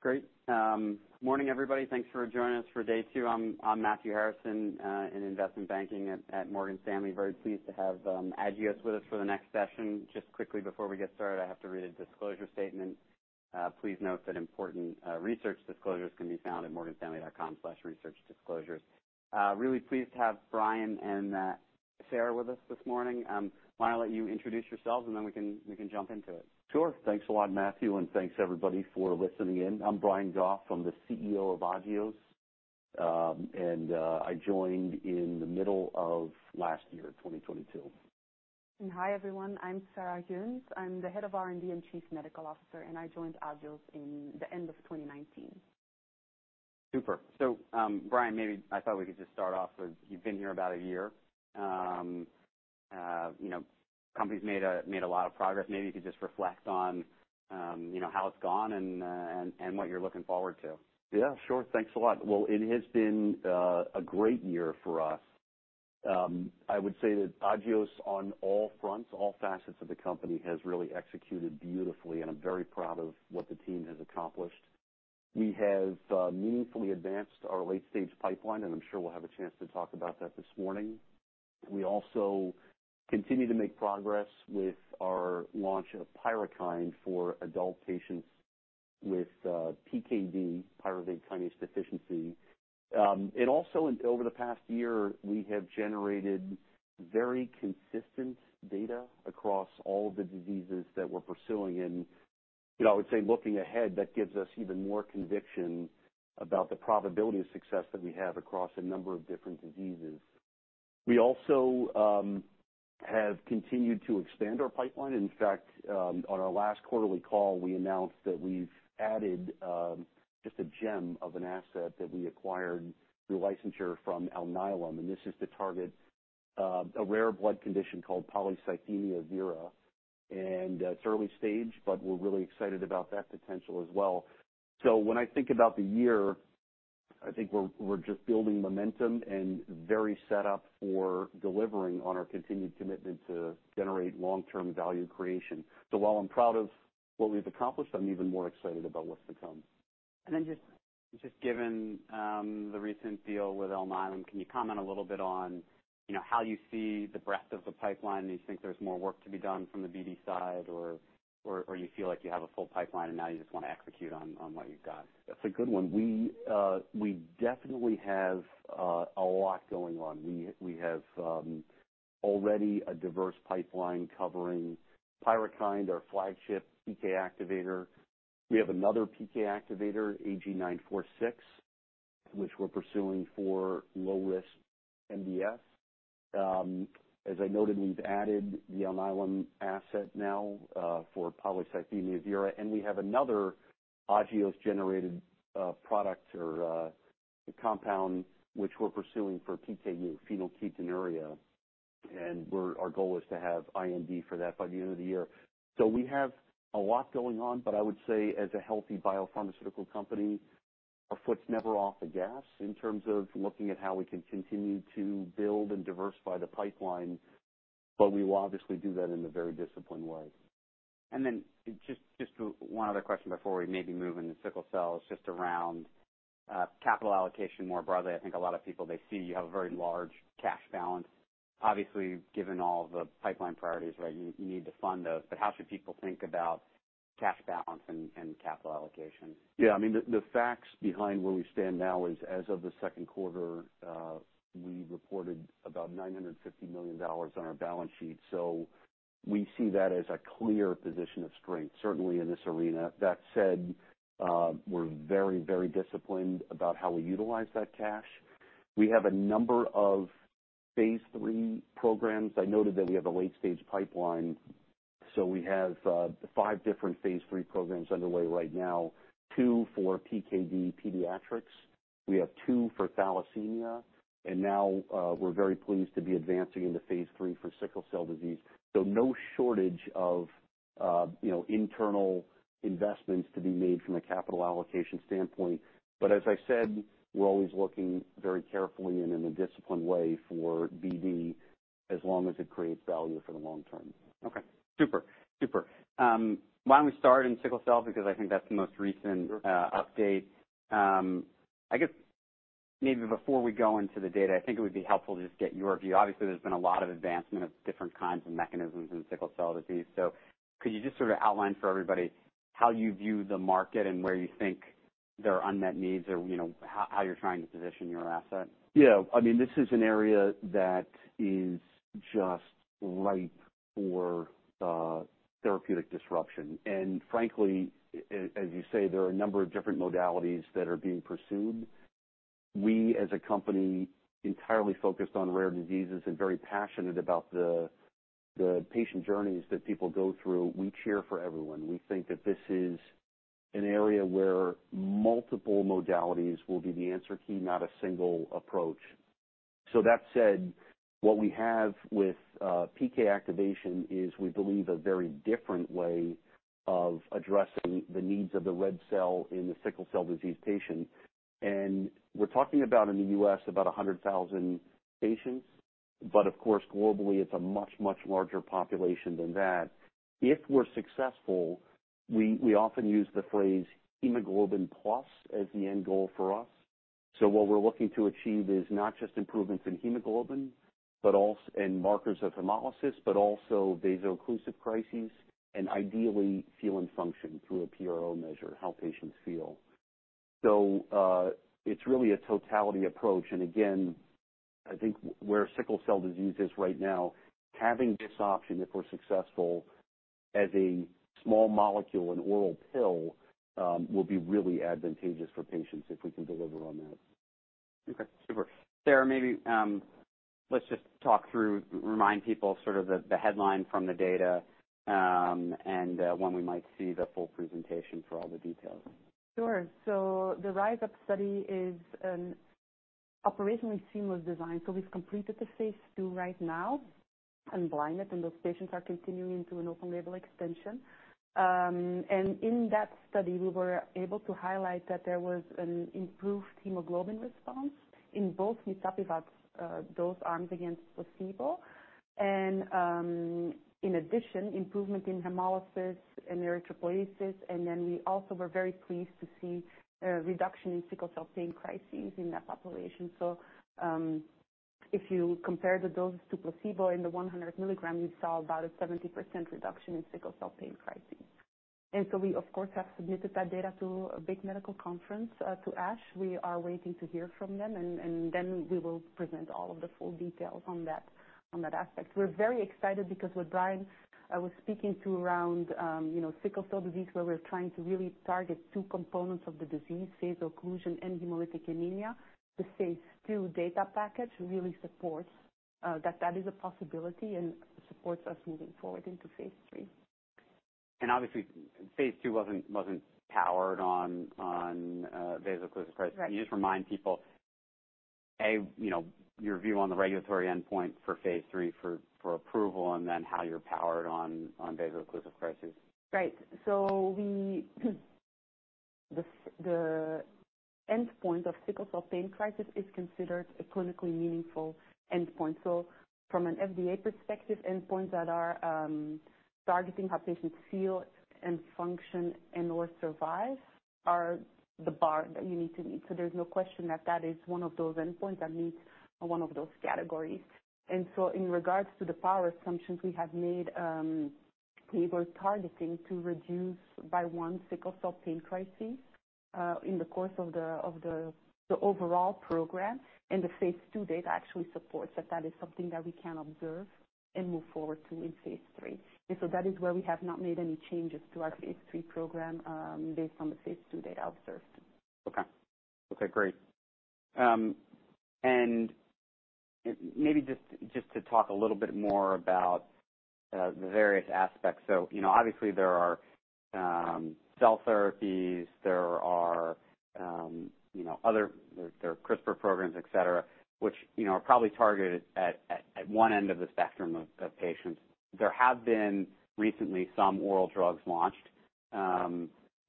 Great. Morning, everybody. Thanks for joining us for day two. I'm Matthew Harrison in investment banking at Morgan Stanley. Very pleased to have Agios with us for the next session. Just quickly before we get started, I have to read a disclosure statement. Please note that important research disclosures can be found at morganstanley.com/researchdisclosures. Really pleased to have Brian and Sarah with us this morning. Why don't I let you introduce yourselves, and then we can jump into it? Sure. Thanks a lot, Matthew, and thanks, everybody, for listening in. I'm Brian Goff. I'm the CEO of Agios. I joined in the middle of last year, 2022. Hi, everyone. I'm Sarah Gheuens. I'm the Head of R&D and Chief Medical Officer, and I joined Agios in the end of 2019. Super. So, Brian, maybe I thought we could just start off with, you've been here about a year. You know, company's made a lot of progress. Maybe you could just reflect on, you know, how it's gone and what you're looking forward to. Yeah, sure. Thanks a lot. Well, it has been a great year for us. I would say that Agios, on all fronts, all facets of the company, has really executed beautifully, and I'm very proud of what the team has accomplished. We have meaningfully advanced our late-stage pipeline, and I'm sure we'll have a chance to talk about that this morning. We also continue to make progress with our launch of Pyrukynd for adult patients with PKD, pyruvate kinase deficiency. And also over the past year, we have generated very consistent data across all of the diseases that we're pursuing. And, you know, I would say, looking ahead, that gives us even more conviction about the probability of success that we have across a number of different diseases. We also have continued to expand our pipeline. In fact, on our last quarterly call, we announced that we've added just a gem of an asset that we acquired through licensure from Alnylam, and this is to target a rare blood condition called polycythemia vera. And it's early stage, but we're really excited about that potential as well. So when I think about the year, I think we're just building momentum and very set up for delivering on our continued commitment to generate long-term value creation. So while I'm proud of what we've accomplished, I'm even more excited about what's to come. And then, just given the recent deal with Alnylam, can you comment a little bit on, you know, how you see the breadth of the pipeline? Do you think there's more work to be done from the BD side, or you feel like you have a full pipeline and now you just want to execute on what you've got? That's a good one. We, we definitely have a lot going on. We, we have already a diverse pipeline covering Pyrukynd, our flagship PK activator. We have another PK activator, AG-946, which we're pursuing for low-risk MDS. As I noted, we've added the Alnylam asset now for polycythemia vera, and we have another Agios-generated product or compound, which we're pursuing for PKU, phenylketonuria, and our goal is to have IND for that by the end of the year. So we have a lot going on, but I would say, as a healthy biopharmaceutical company, our foot's never off the gas in terms of looking at how we can continue to build and diversify the pipeline, but we will obviously do that in a very disciplined way. Then just, just one other question before we maybe move into sickle cell, just around capital allocation more broadly. I think a lot of people, they see you have a very large cash balance. Obviously, given all the pipeline priorities, right, you, you need to fund those, but how should people think about cash balance and, and capital allocation? Yeah, I mean, the facts behind where we stand now is, as of the Q2, we reported about $950 million on our balance sheet. So, we see that as a clear position of strength, certainly in this arena. That said, we're very, very disciplined about how we utilize that cash. We have a number of phase III programs. I noted that we have a late-stage pipeline, so we have 5 different phase III programs underway right now. 2 for PKD pediatrics, we have 2 for thalassemia, and now, we're very pleased to be advancing into phase III for sickle cell disease. So, no shortage of, you know, internal investments to be made from a capital allocation standpoint. But as I said, we're always looking very carefully and in a disciplined way for BD, as long as it creates value for the long term. Okay, super. Super. Why don't we start in sickle cell? Because I think that's the most recent- Sure. Update. I guess maybe before we go into the data, I think it would be helpful to just get your view. Obviously, there's been a lot of advancement of different kinds of mechanisms in sickle cell disease. So could you just sort of outline for everybody how you view the market and where you think there are unmet needs or, you know, how you're trying to position your asset? Yeah. I mean, this is an area that is just ripe for therapeutic disruption. And frankly, as you say, there are a number of different modalities that are being pursued. We, as a company, entirely focused on rare diseases and very passionate about the patient journeys that people go through, we cheer for everyone. We think that this is an area where multiple modalities will be the answer key, not a single approach. So that said, what we have with PK activation is, we believe, a very different way of addressing the needs of the red cell in the sickle cell disease patient. And we're talking about, in the U.S., about 100,000 patients.... but of course, globally, it's a much, much larger population than that. If we're successful, we often use the phrase hemoglobin plus as the end goal for us. So what we're looking to achieve is not just improvements in hemoglobin, but also and markers of hemolysis, but also Vaso-occlusive crises, and ideally, feel and function through a PRO measure, how patients feel. So, it's really a totality approach. And again, I think where sickle cell disease is right now, having this option, if we're successful, as a small molecule, an oral pill, will be really advantageous for patients if we can deliver on that. Okay, super. Sarah, maybe let's just talk through, remind people sort of the headline from the data, and when we might see the full presentation for all the details. Sure. So the RISE UP study is an operationally seamless design. So we've completed the phase two right now, unblind it, and those patients are continuing to an open label extension. And in that study, we were able to highlight that there was an improved hemoglobin response in both mitapivat dose arms against placebo. And in addition, improvement in hemolysis and erythropoiesis. And then we also were very pleased to see a reduction in sickle cell pain crises in that population. So if you compare the dose to placebo in the 100 milligram, you saw about a 70% reduction in sickle cell pain crises. And so we, of course, have submitted that data to a big medical conference to ASH. We are waiting to hear from them, and then we will present all of the full details on that, on that aspect. We're very excited because what Brian was speaking to around, you know, sickle cell disease, where we're trying to really target two components of the disease, Vaso-occlusion and hemolytic anemia. The phase 2 data package really supports that that is a possibility and supports us moving forward into phase 3. Obviously, phase 2 wasn't powered on Vaso-occlusive crisis. Right. Can you just remind people, A, you know, your view on the regulatory endpoint for phase three for approval, and then how you're powered on Vaso-occlusive crises? Right. So the endpoint of sickle cell pain crisis is considered a clinically meaningful endpoint. So from an FDA perspective, endpoints that are targeting how patients feel and function and/or survive are the bar that you need to meet. So there's no question that that is one of those endpoints that meets one of those categories. And so in regards to the power assumptions we have made, we were targeting to reduce by one sickle cell pain crisis in the course of the overall program. And the phase 2 data actually supports that that is something that we can observe and move forward to in phase 3. And so that is where we have not made any changes to our phase 3 program based on the phase 2 data observed. Okay. Okay, great. And maybe just, just to talk a little bit more about the various aspects. So, you know, obviously there are cell therapies, there are, you know, other, there, there are CRISPR programs, et cetera, which, you know, are probably targeted at, at, at one end of the spectrum of, of patients. There have been recently some oral drugs launched.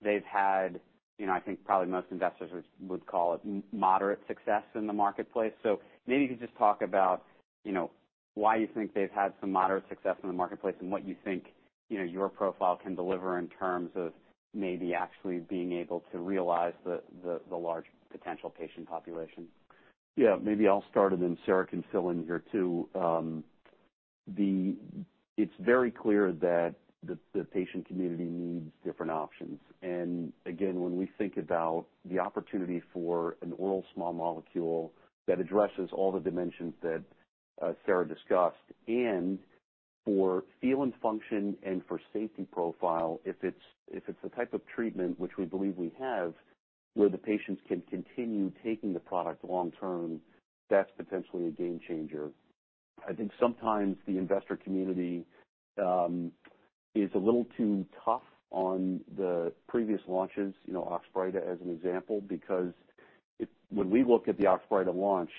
They've had, you know, I think probably most investors would, would call it moderate success in the marketplace. So maybe you could just talk about, you know, why you think they've had some moderate success in the marketplace, and what you think, you know, your profile can deliver in terms of maybe actually being able to realize the, the, the large potential patient population. Yeah, maybe I'll start and then Sarah can fill in here, too. The... It's very clear that the patient community needs different options. And again, when we think about the opportunity for an oral small molecule that addresses all the dimensions that Sarah discussed, and for feel and function and for safety profile, if it's the type of treatment which we believe we have, where the patients can continue taking the product long term, that's potentially a game changer. I think sometimes the investor community is a little too tough on the previous launches, you know, Oxbryta, as an example, because when we look at the Oxbryta launch,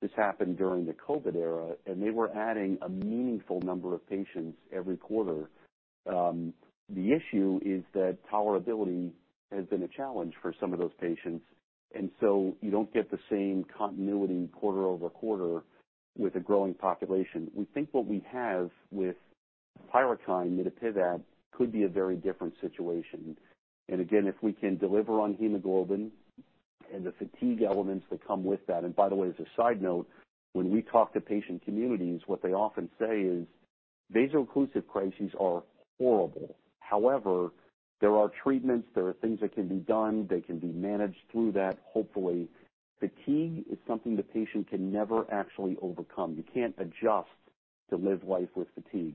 this happened during the COVID era, and they were adding a meaningful number of patients every quarter. The issue is that tolerability has been a challenge for some of those patients, and so you don't get the same continuity QoQ with a growing population. We think what we have with Pyrukynd mitapivat could be a very different situation. And again, if we can deliver on hemoglobin and the fatigue elements that come with that... And by the way, as a side note, when we talk to patient communities, what they often say is, Vaso-occlusive crises are horrible. However, there are treatments, there are things that can be done, they can be managed through that, hopefully. Fatigue is something the patient can never actually overcome. You can't adjust to live life with fatigue.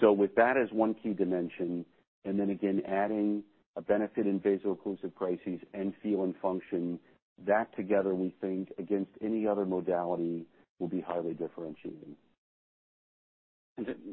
So with that as one key dimension, and then again, adding a benefit in Vaso-occlusive crises and feel and function, that together, we think, against any other modality, will be highly differentiating.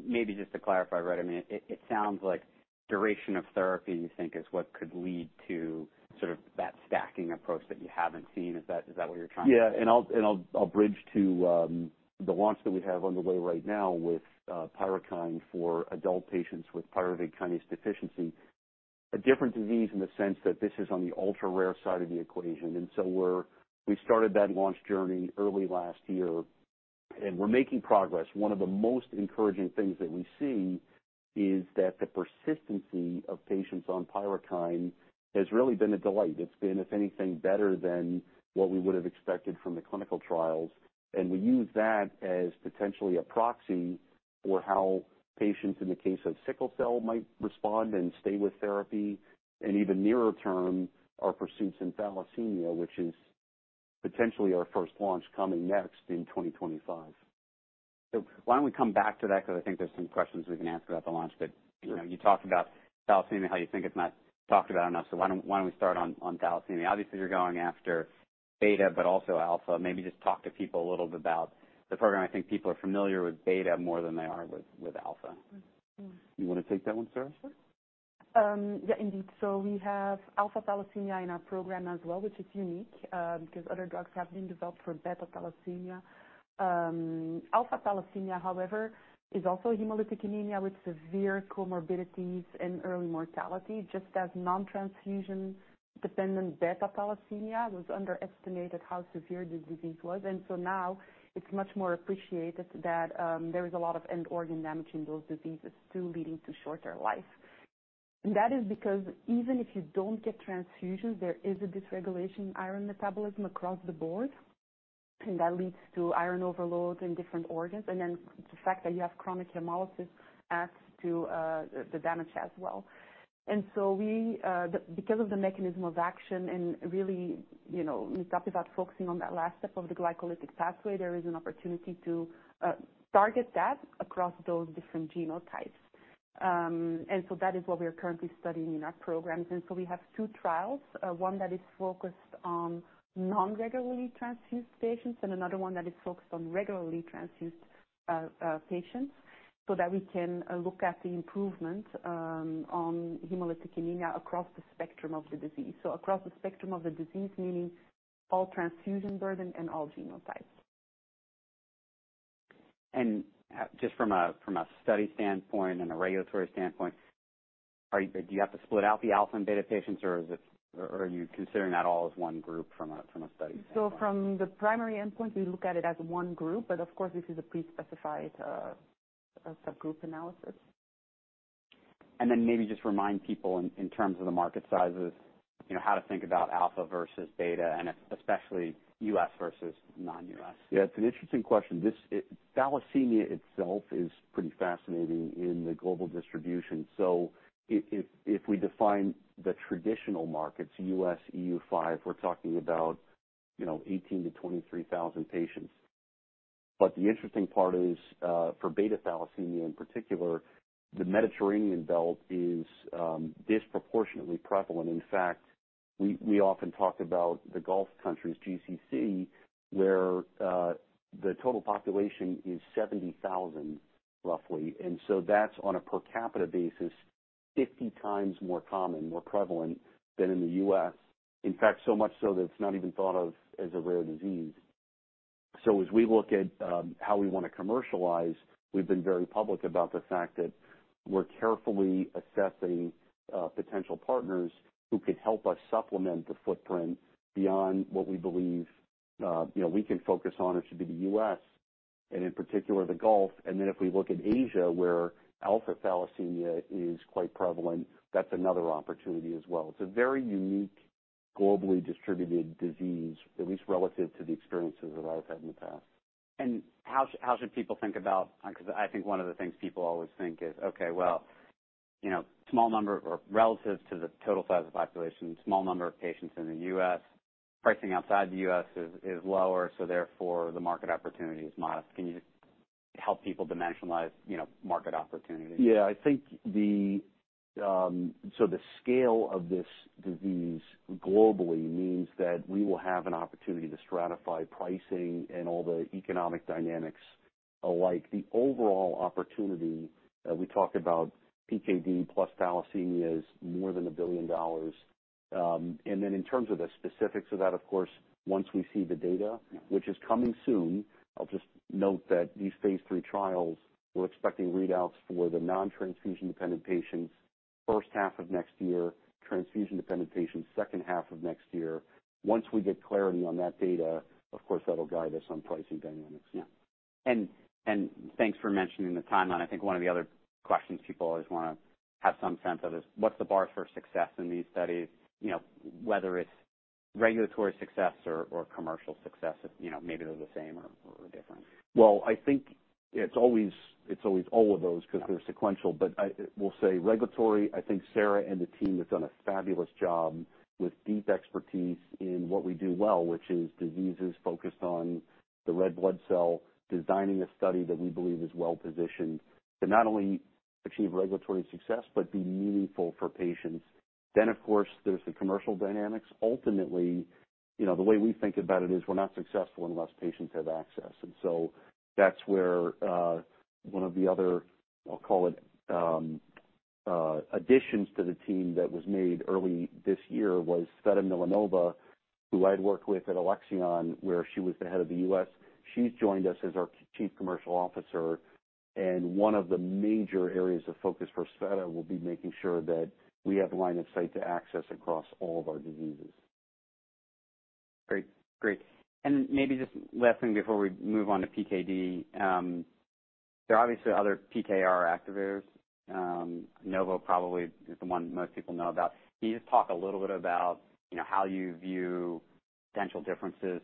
Maybe just to clarify, right, I mean, it, it sounds like duration of therapy, you think, is what could lead to sort of that stacking approach that you haven't seen. Is that, is that what you're trying to- Yeah, I'll bridge to the launch that we have on the way right now with Pyrukynd for adult patients with Pyrukynd kinase deficiency. A different disease in the sense that this is on the ultra rare side of the equation. And so we started that launch journey early last year, and we're making progress. One of the most encouraging things that we see is that the persistence of patients on Pyrukynd has really been a delight. It's been, if anything, better than what we would have expected from the clinical trials, and we use that as potentially a proxy for how patients in the case of sickle cell might respond and stay with therapy, and even nearer term, our pursuits in thalassemia, which is potentially our first launch coming next in 2025. So why don't we come back to that? Because I think there's some questions we can ask about the launch. But, you know, you talked about thalassemia, how you think it's not talked about enough. So why don't we start on thalassemia? Obviously, you're going after beta, but also alpha. Maybe just talk to people a little bit about the program. I think people are familiar with beta more than they are with alpha. You want to take that one, Sarah? Yeah, indeed. So we have alpha thalassemia in our program as well, which is unique, because other drugs have been developed for beta thalassemia. Alpha thalassemia, however, is also a hemolytic anemia with severe comorbidities and early mortality, just as non-transfusion-dependent beta thalassemia was underestimated how severe the disease was. And so now it's much more appreciated that there is a lot of end organ damage in those diseases too, leading to shorter life. And that is because even if you don't get transfusions, there is a dysregulation in iron metabolism across the board, and that leads to iron overload in different organs. And then the fact that you have chronic hemolysis adds to the damage as well. And so we, because of the mechanism of action and really, you know, we talked about focusing on that last step of the glycolytic pathway, there is an opportunity to target that across those different genotypes. And so that is what we are currently studying in our programs. And so we have two trials, one that is focused on non-regularly transfused patients and another one that is focused on regularly transfused patients, so that we can look at the improvement on hemolytic anemia across the spectrum of the disease. So across the spectrum of the disease, meaning all transfusion burden and all genotypes. Just from a study standpoint and a regulatory standpoint, do you have to split out the Alpha and Beta patients, or is it, are you considering that all as one group from a study standpoint? So from the primary endpoint, we look at it as one group, but of course, this is a pre-specified, a subgroup analysis. Then maybe just remind people in terms of the market sizes, you know, how to think about alpha versus beta and especially U.S. versus non-U.S. Yeah, it's an interesting question. This, thalassemia itself is pretty fascinating in the global distribution. So if we define the traditional markets, U.S., EU5, we're talking about, you know, 18,000-23,000 patients. But the interesting part is, for beta thalassemia in particular, the Mediterranean belt is disproportionately prevalent. In fact, we often talk about the Gulf countries, GCC, where the total population is 70,000, roughly. And so that's on a per capita basis, 50 times more common, more prevalent than in the U.S. In fact, so much so that it's not even thought of as a rare disease. So as we look at how we want to commercialize, we've been very public about the fact that we're carefully assessing potential partners who could help us supplement the footprint beyond what we believe, you know, we can focus on. It should be the U.S., and in particular, the Gulf. And then if we look at Asia, where alpha thalassemia is quite prevalent, that's another opportunity as well. It's a very unique, globally distributed disease, at least relative to the experiences that I've had in the past. How should people think about... Because I think one of the things people always think is, okay, well, you know, small number or relative to the total size of the population, small number of patients in the US, pricing outside the US is lower, so therefore, the market opportunity is modest. Can you help people dimensionalize, you know, market opportunity? Yeah, I think the so the scale of this disease globally means that we will have an opportunity to stratify pricing and all the economic dynamics alike. The overall opportunity, we talked about PKD plus thalassemia is more than $1 billion. And then in terms of the specifics of that, of course, once we see the data, which is coming soon, I'll just note that these phase III trials, we're expecting readouts for the non-transfusion-dependent patients first half of next year, transfusion-dependent patients, second half of next year. Once we get clarity on that data, of course, that'll guide us on pricing dynamics. Yeah. And thanks for mentioning the timeline. I think one of the other questions people always want to have some sense of is, what's the bar for success in these studies? You know, whether it's regulatory success or commercial success, if, you know, maybe they're the same or different. Well, I think it's always, it's always all of those because they're sequential. But we'll say regulatory. I think Sarah and the team have done a fabulous job with deep expertise in what we do well, which is diseases focused on the red blood cell, designing a study that we believe is well-positioned to not only achieve regulatory success, but be meaningful for patients. Then, of course, there's the commercial dynamics. Ultimately, you know, the way we think about it is we're not successful unless patients have access. And so that's where one of the other, I'll call it, additions to the team that was made early this year was Tsveta Milanova, who worked with at Alexion, where she was the head of the U.S. She's joined us as our Chief Commercial Officer, and one of the major areas of focus for Tsveta will be making sure that we have line of sight to access across all of our diseases. Great, great. And maybe just last thing before we move on to PKD. There are obviously other PKR activators. Novo probably is the one most people know about. Can you just talk a little bit about, you know, how you view potential differences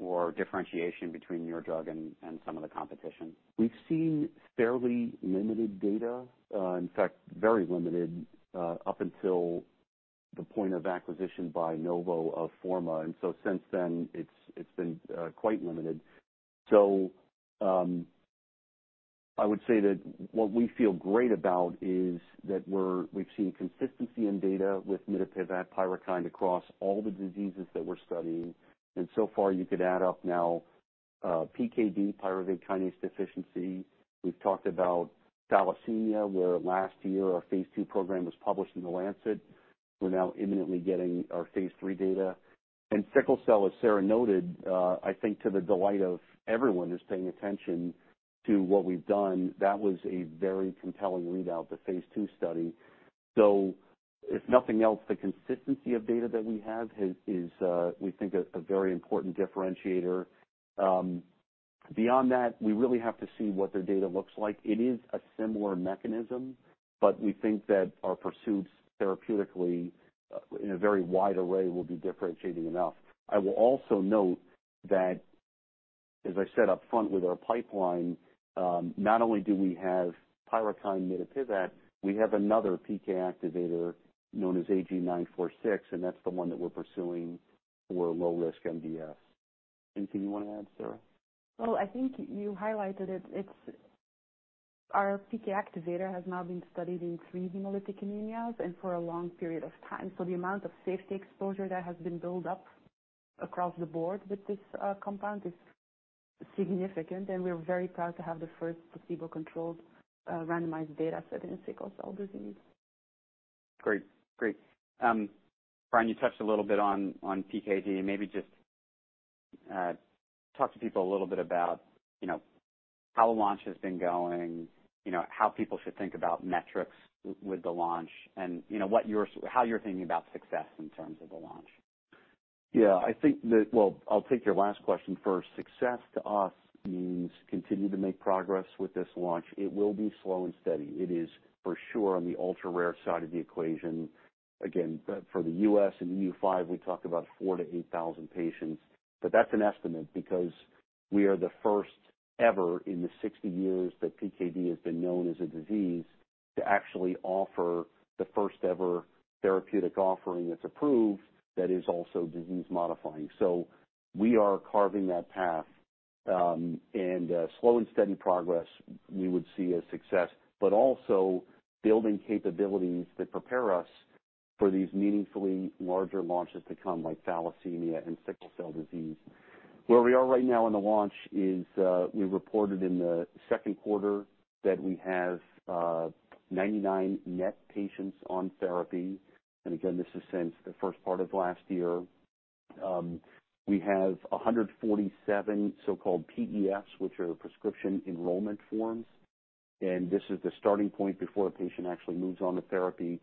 or differentiation between your drug and, and some of the competition? We've seen fairly limited data, in fact, very limited, up until the point of acquisition by Novo of Forma, and so since then, it's, it's been, quite limited. So, I would say that what we feel great about is that we're- we've seen consistency in data with mitapivat Pyrukynd across all the diseases that we're studying. And so far, you could add up now, PKD, Pyrukynd kinase deficiency. We've talked about thalassemia, where last year our phase II program was published in The Lancet. We're now imminently getting our phase III data. And sickle cell, as Sarah noted, I think to the delight of everyone who's paying attention to what we've done, that was a very compelling readout, the phase II study. So, if nothing else, the consistency of data that we have has, is, we think, a, a very important differentiator. Beyond that, we really have to see what their data looks like. It is a similar mechanism, but we think that our pursuits therapeutically, in a very wide array, will be differentiating enough. I will also note that, as I said up front with our pipeline, not only do we have Pyrukynd mitapivat, we have another PK activator known as AG-946, and that's the one that we're pursuing for low-risk MDS. Anything you want to add, Sarah? Well, I think you highlighted it. It's... Our PK activator has now been studied in three hemolytic anemias and for a long period of time. So the amount of safety exposure that has been built up across the board with this compound is significant, and we're very proud to have the first placebo-controlled, randomized data set in sickle cell disease. Great. Great. Brian, you touched a little bit on PKD. Maybe just talk to people a little bit about, you know, how the launch has been going, you know, how people should think about metrics with the launch, and, you know, how you're thinking about success in terms of the launch. Yeah, I think that... Well, I'll take your last question first. Success to us means continue to make progress with this launch. It will be slow and steady. It is for sure on the ultra-rare side of the equation. Again, for the U.S. and EU5, we talk about 4,000-8,000 patients, but that's an estimate because we are the first ever in the 60 years that PKD has been known as a disease, to actually offer the first-ever therapeutic offering that's approved, that is also disease modifying. So we are carving that path, slow and steady progress we would see as success, but also building capabilities that prepare us for these meaningfully larger launches to come, like thalassemia and sickle cell disease. Where we are right now in the launch is, we reported in the Q2 that we have 99 net patients on therapy. And again, this is since the first part of last year. We have 147 so-called PEFs, which are prescription enrollment forms, and this is the starting point before a patient actually moves on to therapy.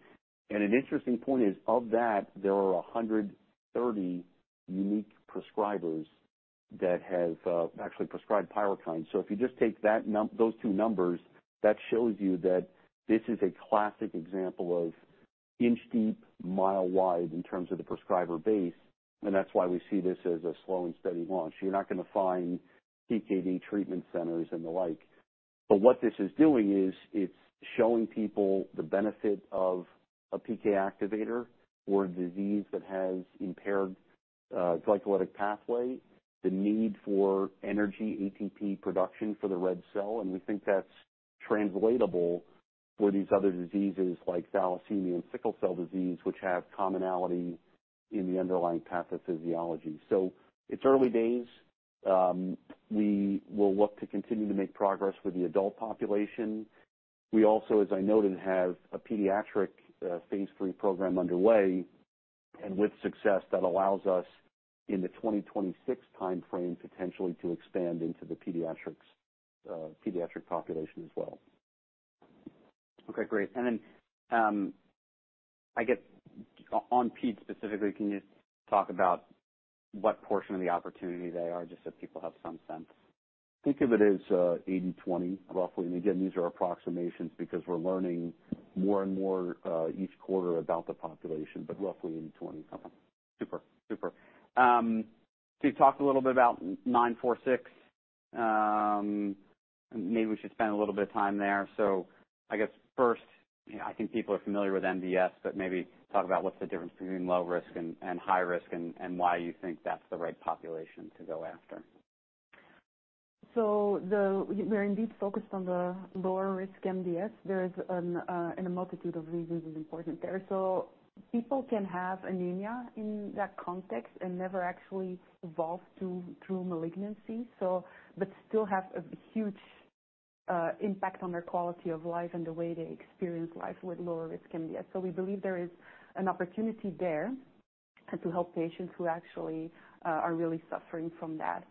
And an interesting point is, of that, there are 130 unique prescribers that have actually prescribed Pyrukynd. So if you just take those two numbers, that shows you that this is a classic example of inch deep, mile wide in terms of the prescriber base, and that's why we see this as a slow and steady launch. You're not gonna find PKD treatment centers and the like. But what this is doing is, it's showing people the benefit of a PK activator for a disease that has impaired glycolytic pathway, the need for energy ATP production for the red cell, and we think that's translatable for these other diseases like thalassemia and sickle cell disease, which have commonality in the underlying pathophysiology. So it's early days. We will look to continue to make progress with the adult population. We also, as I noted, have a pediatric phase 3 program underway, and with success, that allows us, in the 2026 time frame, potentially to expand into the pediatrics, pediatric population as well. Okay, great. And then, I guess on PKDs specifically, can you talk about what portion of the opportunity they are, just so people have some sense? Think of it as 80/20, roughly. Again, these are approximations because we're learning more and more each quarter about the population, but roughly 80/20. Super, super. So you've talked a little bit about AG-946. Maybe we should spend a little bit of time there. So I guess first, I think people are familiar with MDS, but maybe talk about what's the difference between low risk and high risk, and why you think that's the right population to go after. So, we're indeed focused on the lower risk MDS. There is an and a multitude of reasons is important there. So, people can have anemia in that context and never actually evolve to true malignancy, so but still have a huge impact on their quality of life and the way they experience life with lower risk MDS. So, we believe there is an opportunity there, and to help patients who actually are really suffering from that.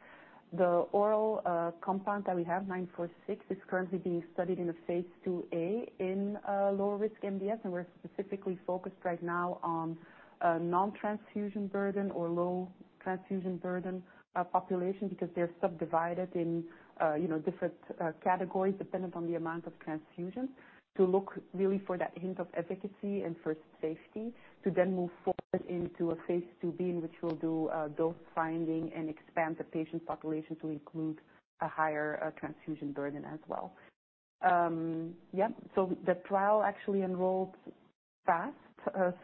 The oral compound that we have, AG-946, is currently being studied in a phase II a in lower risk MDS, and we're specifically focused right now on non-transfusion burden or low transfusion burden population. Because they're subdivided in you know different categories depending on the amount of transfusion. To look really for that hint of efficacy and for safety, to then move forward into a phase II b, in which we'll do dose finding and expand the patient population to include a higher transfusion burden as well. Yep, so the trial actually enrolled fast,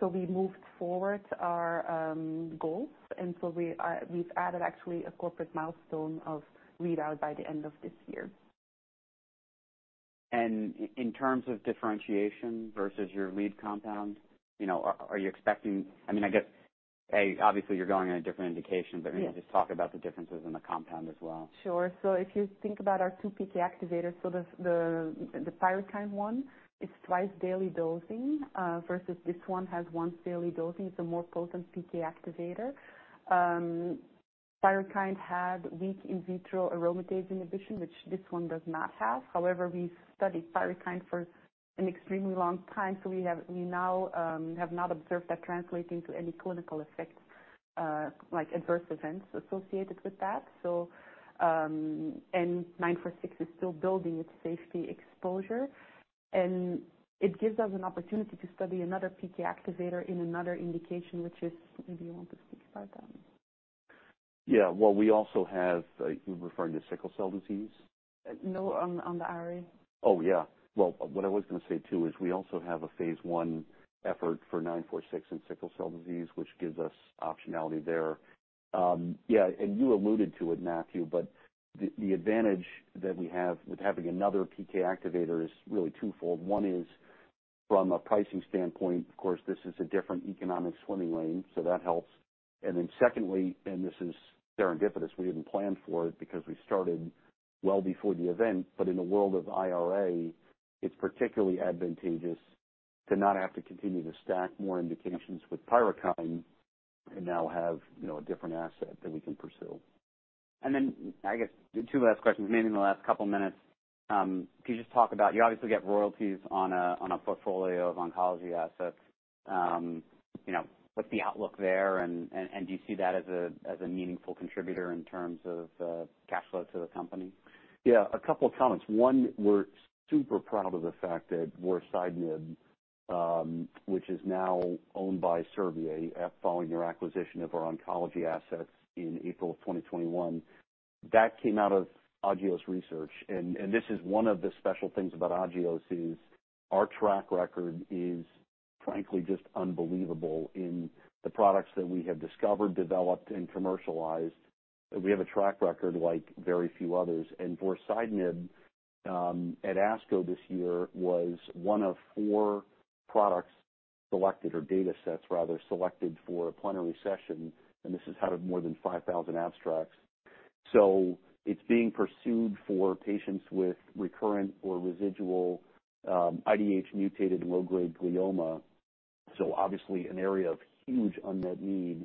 so we moved forward our goals, and we've added actually a corporate milestone of readout by the end of this year. In terms of differentiation versus your lead compound, you know, are you expecting... I mean, I guess, a, obviously you're going in a different indication- Yes. Can you just talk about the differences in the compound as well? Sure. So if you think about our two PK activators, so the Pyrukynd one is twice daily dosing versus this one has once daily dosing. It's a more potent PK activator. Pyrukynd had weak in vitro aromatase inhibition, which this one does not have. However, we studied Pyrukynd for an extremely long time, so we have we now have not observed that translating to any clinical effects like adverse events associated with that. So, and nine four six is still building its safety exposure, and it gives us an opportunity to study another PK activator in another indication, which is, maybe you want to speak about that. Yeah. Well, we also have, like, you're referring to sickle cell disease? No, on the RA. Oh, yeah. Well, what I was gonna say, too, is we also have a phase 1 effort for AG-946, in sickle cell disease, which gives us optionality there. Yeah, and you alluded to it, Matthew, but the advantage that we have with having another PK activator is really twofold. One is from a pricing standpoint, of course, this is a different economic swimming lane, so that helps. And then secondly, and this is serendipitous, we didn't plan for it because we started well before the event, but in the world of IRA, it's particularly advantageous to not have to continue to stack more indications with Pyrukynd and now have, you know, a different asset that we can pursue. Then, I guess two last questions, maybe in the last couple minutes. Can you just talk about... You obviously get royalties on a portfolio of oncology assets. You know, what's the outlook there, and do you see that as a meaningful contributor in terms of cash flow to the company? Yeah, a couple of comments. One, we're super proud of the fact that vorasidenib, which is now owned by Servier, following their acquisition of our oncology assets in April 2021, that came out of Agios research. And this is one of the special things about Agios, is our track record is frankly just unbelievable in the products that we have discovered, developed, and commercialized. We have a track record like very few others, and vorasidenib, at ASCO this year, was one of four products selected, or datasets rather, selected for a plenary session, and this is out of more than 5,000 abstracts. So it's being pursued for patients with recurrent or residual, IDH-mutated low-grade glioma. So obviously an area of huge unmet need,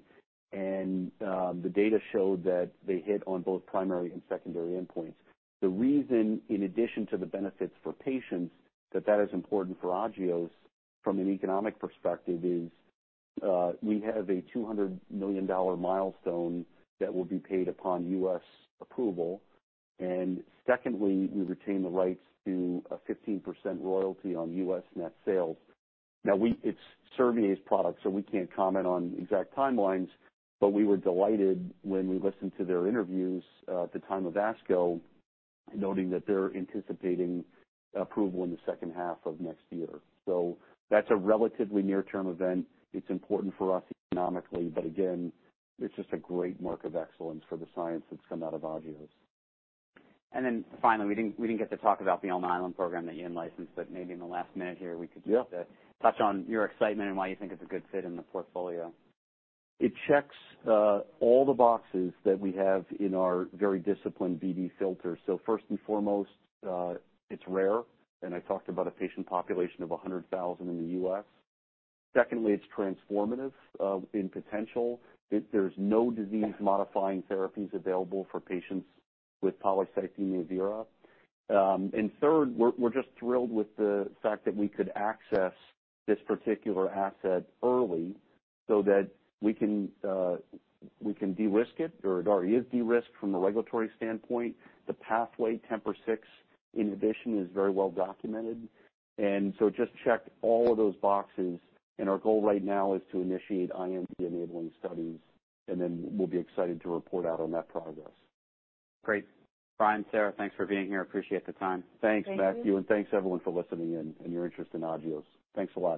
and the data showed that they hit on both primary and secondary endpoints. The reason, in addition to the benefits for patients, that that is important for Agios from an economic perspective is, we have a $200 million milestone that will be paid upon U.S. approval. And secondly, we retain the rights to a 15% royalty on U.S. net sales. Now it's Servier's product, so we can't comment on exact timelines, but we were delighted when we listened to their interviews, at the time of ASCO, noting that they're anticipating approval in the second half of next year. So that's a relatively near-term event. It's important for us economically, but again, it's just a great mark of excellence for the science that's come out of Agios. And then finally, we didn't get to talk about the Alnylam program that you in-licensed, but maybe in the last minute here, we could just- Yeah. - Touch on your excitement and why you think it's a good fit in the portfolio. It checks all the boxes that we have in our very disciplined BD filter. So first and foremost, it's rare, and I talked about a patient population of 100,000 in the U.S. Secondly, it's transformative in potential. There's no disease modifying therapies available for patients with polycythemia vera. And third, we're just thrilled with the fact that we could access this particular asset early, so that we can de-risk it, or it already is de-risked from a regulatory standpoint. The pathway TMPRSS6 inhibition is very well documented, and so just checked all of those boxes. Our goal right now is to initiate IND-enabling studies, and then we'll be excited to report out on that progress. Great. Brian, Sarah, thanks for being here. Appreciate the time. Thanks, Matthew- Thank you. Thanks, everyone, for listening in and your interest in Agios. Thanks a lot.